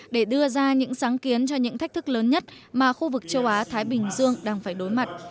để đưa ra những sáng kiến cho những thách thức lớn nhất mà khu vực châu á thái bình dương đang phải đối mặt